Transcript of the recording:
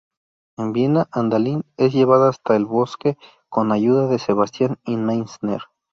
En viena, Adalind es llevada hasta el bosque con ayuda de Sebastien y Meisner.